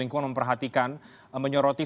lingkungan memperhatikan menyoroti